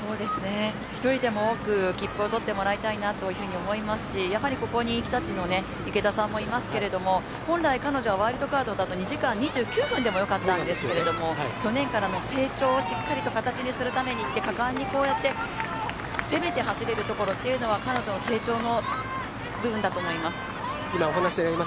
１人でも多く切符を取ってもらいたいなと思いますしやはりここに日立の池田さんもいますけれども本来彼女はワイルドカードだと２時間２９分でもよかったんですけど去年からの成長をしっかりと形にするために果敢にこうやって攻めて走れるところというのは彼女の成長の部分だと思います。